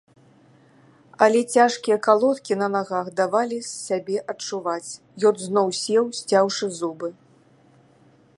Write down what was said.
Але цяжкія калодкі на нагах давалі сябе адчуваць, ён зноў сеў, сцяўшы зубы.